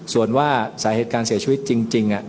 ส่วนว่าสาเหตุการเสียชีวิตจริง